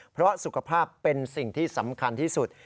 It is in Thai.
เพราะสุขภาพเป็นสิ่งที่สำคัญที่สุด